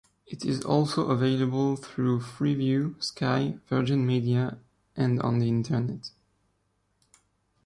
It is also available through Freeview, Sky, Virgin Media and on the Internet.